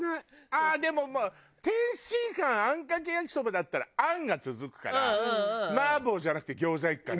ああでも天津飯あんかけ焼きそばだったらあんが続くから麻婆じゃなくて餃子いくかな。